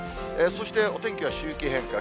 そして、お天気は周期変化。